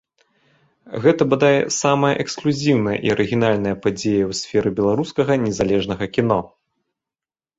Гэта, бадай, самая эксклюзіўная і арыгінальная падзея ў сферы беларускага незалежнага кіно.